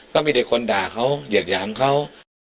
ก็มีแต่คนด่าเขาเหยียดหยามเขา